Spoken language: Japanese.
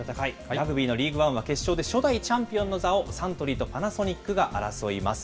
ラグビーのリーグワンは初代チャンピオンの座をサントリーとパナソニックが争います。